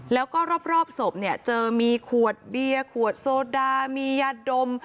แล้วก็รอบศพเจอมีขวดเบี้ยขวดโซดามียาดดม